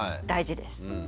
大事です。